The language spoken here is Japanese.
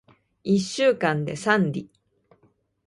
一週間で三里